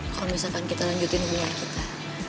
kalo misalkan kita lanjutin hubungan kita